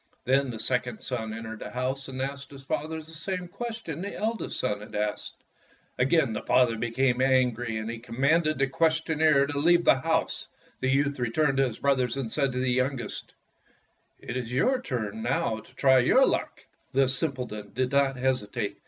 Then the second son entered the house and asked his father the same question the eldest son had asked. Again the father became an gry, and he commanded the questioner to leave the house. The youth returned to his brothers and said to the youngest, "It is your turn now to try your luck." The simpleton did not hesitate.